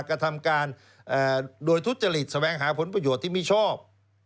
กระทำการโดยทุจริตแสวงหาผลประโยชน์ที่ไม่ชอบ